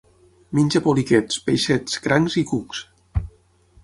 Menja poliquets, peixets, crancs i cucs.